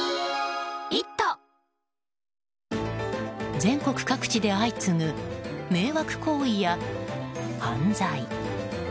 全国各地で相次ぐ迷惑行為や犯罪。